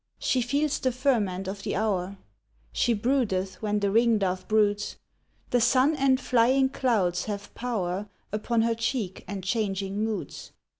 She feels the ferment of the hour: She broodeth when the ringdove broods; The sun and flying clouds have power Upon her cheek and changing moods.